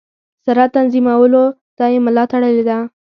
سره تنظیمولو ته یې ملا تړلې ده.